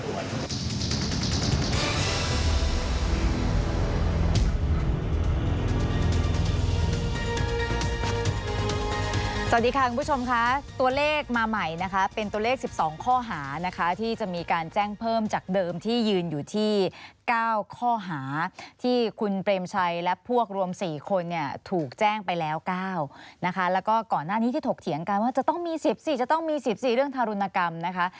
สวัสดีค่ะคุณผู้ชมค่ะตัวเลขมาใหม่นะคะเป็นตัวเลข๑๒ข้อหานะคะที่จะมีการแจ้งเพิ่มจากเดิมที่ยืนอยู่ที่๙ข้อหาที่คุณเปรมชัยและพวกรวม๔คนเนี่ยถูกแจ้งไปแล้ว๙นะคะแล้วก็ก่อนหน้านี้ที่ถกเถียงกันว่าจะต้องมี๑๔จะต้องมี๑๔เรื่องทารุณกรรมนะคะ